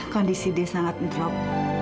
kondisi dia sangat jatuh